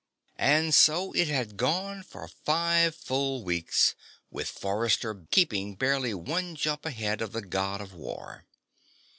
And so it had gone for five full weeks, with Forrester keeping barely one jump ahead of the God of War.